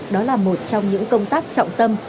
đó là một trong những công tác trọng tâm